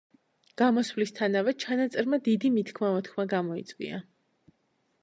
გამოსვლისთანავე, ჩანაწერმა დიდი მითქმა-მოთქმა გამოიწვია.